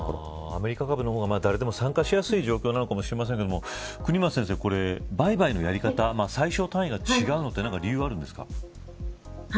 アメリカ株の方が、誰でも参加しやすい状況かもしれませんが売買のやり方最小単位が違うのは理由があるんですか。